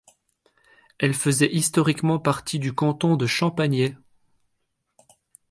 Elle faisait historiquement partie du canton de Champagney.